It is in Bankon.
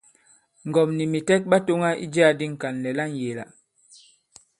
Ŋgɔ̀m nì mìtɛk ɓa tōŋa i jiā di Ŋkànlɛ̀ la ŋyēe-la.